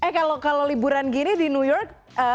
eh kalau liburan gini di new york